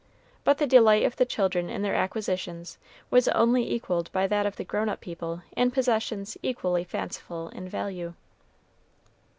But the delight of the children in their acquisitions was only equaled by that of grown up people in possessions equally fanciful in value.